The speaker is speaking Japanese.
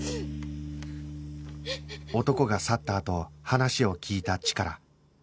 男が去ったあと話を聞いたチカラ